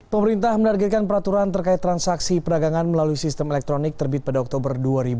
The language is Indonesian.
pemerintah menargetkan peraturan terkait transaksi perdagangan melalui sistem elektronik terbit pada oktober dua ribu dua puluh